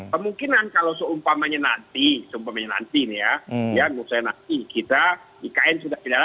kemungkinan kalau seumpamanya nanti seumpamanya nanti nih ya ya misalnya nanti kita ikn sudah final